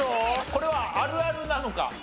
これはあるあるなのか？